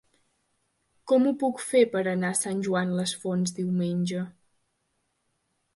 Com ho puc fer per anar a Sant Joan les Fonts diumenge?